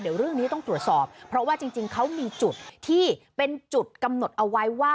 เดี๋ยวเรื่องนี้ต้องตรวจสอบเพราะว่าจริงเขามีจุดที่เป็นจุดกำหนดเอาไว้ว่า